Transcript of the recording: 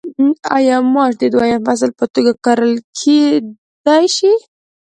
آیا ماش د دویم فصل په توګه کرل کیدی شي؟